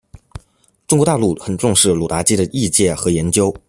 中国大陆很重视鲁达基的译介和研究。